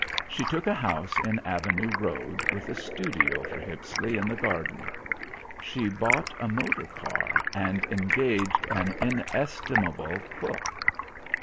She took a house in Avenue Road with a studio for Hippisley in the garden; she bought a motor car and engaged an inestimable cook.